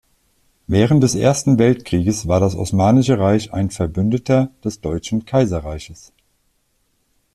Während des Ersten Weltkrieges war das Osmanische Reich ein Verbündeter des deutschen Kaiserreiches.